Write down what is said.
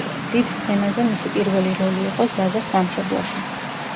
დიდ სცენაზე მისი პირველი როლი იყო ზაზა „სამშობლოში“.